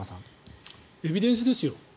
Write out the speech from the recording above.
エビデンスですよ。